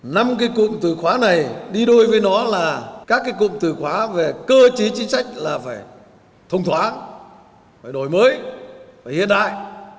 năm cái cụm từ khóa này đi đôi với nó là các cái cụm từ khóa về cơ chế chính sách là phải thông thoáng phải đổi mới phải hiện đại